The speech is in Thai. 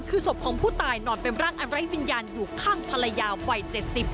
คือศพของผู้ตายนอนเป็นร่างอันไร้วิญญาณอยู่ข้างภรรยาวัย๗๐